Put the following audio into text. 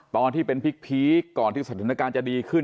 ตอนที่เป็นพีคก่อนที่สถานการณ์จะดีขึ้น